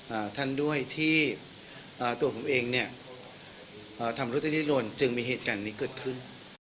อ่าท่านด้วยที่อ่าตัวผมเองเนี่ยอ่าทำรุ่นจึงมีเหตุการณ์นี้เกิดขึ้น